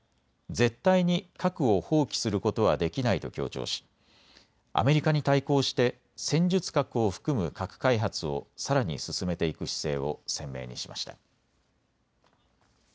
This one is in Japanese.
絶対に核を放棄することはできないと強調しアメリカに対抗して戦術核を含む核開発をさらに進めていく姿勢を鮮明にしました。